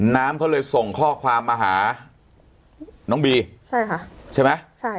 น้ำเขาเลยส่งข้อความมาหาน้องบีใช่ค่ะใช่ไหมใช่